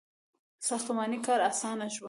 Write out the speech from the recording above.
• ساختماني کار آسانه شو.